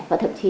và thậm chí